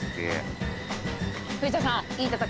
藤田さん。